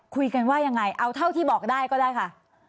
คุยกันว่ายังไงเอาเท่าที่บอกได้ก็ได้ค่ะ